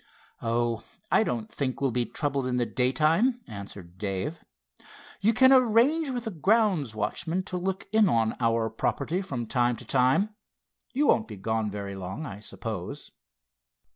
"Oh, I don't think we'll be troubled in the day time," answered Dave. "You can arrange with the grounds watchman to look in on our property from time to time. You won't be gone very long, I suppose?"